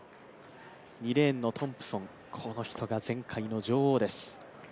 ２レーンのトンプソン、この人が前回の女王です。